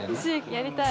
やりたい！